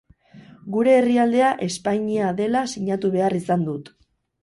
Gure herrialdea Espainia dela sinatu behar izan dut.